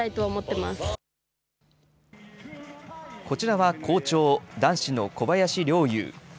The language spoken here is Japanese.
こちらは好調、男子の小林陵侑。